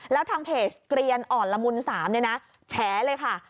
แล้วทางเพจเกลียนอ่อนละมุน๓เนี่ยนะแฉเลยค่ะ